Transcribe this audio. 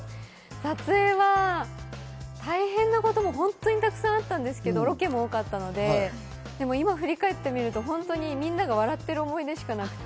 撮影は大変なことも本当にたくさんあったんですけれども、ロケも多かったので今、振り返ってみると、みんなが笑っている思い出しかなくて。